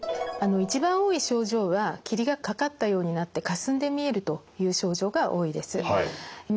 一番多い症状は霧がかかったようになってかすんで見えるという症状が多いです。